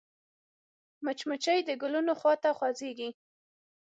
مچمچۍ د ګلونو خوا ته خوځېږي